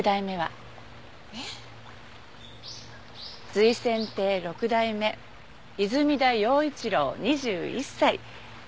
瑞泉亭６代目泉田耀一郎２１歳。